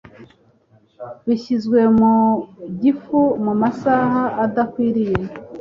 bishyizwe mu gifu mu masaha adakwiriye,